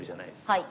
はい。